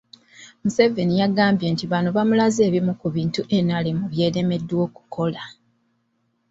Museveni yagambye nti bano bamulaze ebimu ku bintu NRM by’eremeddwa okukola